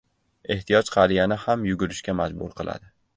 • Ehtiyoj qariyani ham yugurishga majbur qiladi.